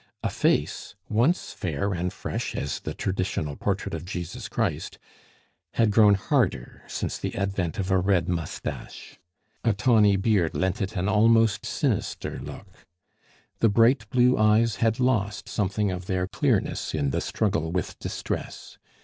A face, once fair and fresh as the traditional portrait of Jesus Christ, had grown harder since the advent of a red moustache; a tawny beard lent it an almost sinister look. The bright blue eyes had lost something of their clearness in the struggle with distress.